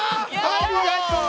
ありがとう！